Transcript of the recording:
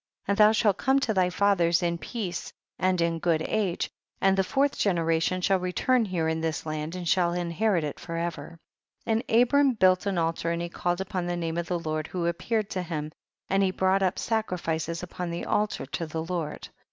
19. And thou shalt come to thy fathers in peace and in good age, and the fourth generation shall return liere in this land and shall inherit it forever ; and Abram built an altar, and he called upon the name of the Lord who appeared to him, and he brought up sacrifices upon the altar to the Lord.